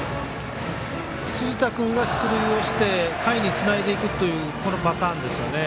辻田君が出塁して下位につないでいくというこのパターンですよね。